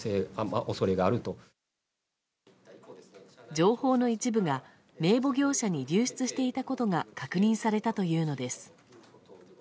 情報の一部が名簿業者に流出していたことが確認されたというのです。